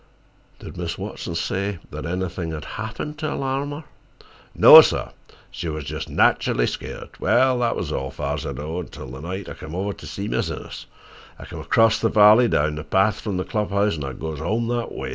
"Did Mrs. Watson say that anything had happened to alarm her?" "No, sah. She was jes' natchally skeered. Well, that was all, far's I know, until the night I come over to see Mis' Innes. I come across the valley, along the path from the club house, and I goes home that way.